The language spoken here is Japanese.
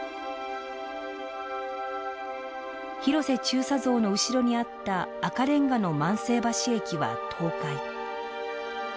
広瀬中佐像の後ろにあった赤レンガの万世橋駅は倒壊。